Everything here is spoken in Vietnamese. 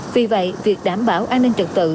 vì vậy việc đảm bảo an ninh trực tự